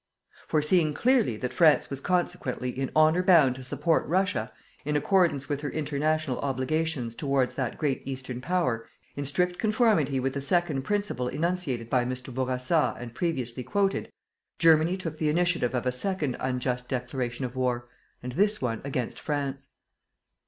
Foreseeing clearly that France was consequently in honour bound to support Russia, in accordance with her international obligations towards that great Eastern Power in strict conformity with the second principle enunciated by Mr. Bourassa and previously quoted , Germany took the initiative of a second unjust declaration of war, and this one against France.